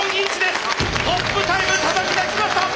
トップタイムたたき出しました！